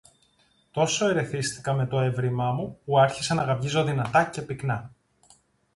Τόσο ερεθίστηκα με το εύρημα μου, που άρχισα να γαβγίζω δυνατά και πυκνά